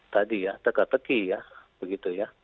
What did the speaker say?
tadi ya teka teki ya begitu ya